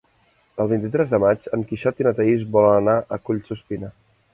El vint-i-tres de maig en Quixot i na Thaís volen anar a Collsuspina.